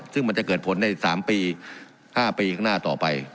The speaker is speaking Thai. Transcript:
ซึ่งมันจะเกิดผลใน๓ปี๕ปีข้างหน้าต่อไป